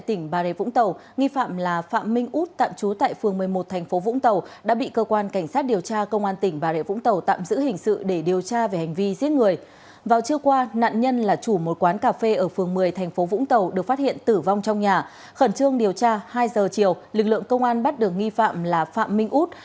trong trường điều tra hai giờ chiều lực lượng công an bắt được nghi phạm là phạm minh út